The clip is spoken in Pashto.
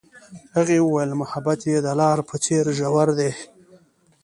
هغې وویل محبت یې د لاره په څېر ژور دی.